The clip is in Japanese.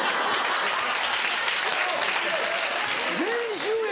練習や！